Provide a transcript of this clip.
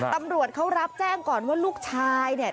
ตำรวจเขารับแจ้งก่อนว่าลูกชายเนี่ย